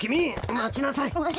待ちなさい！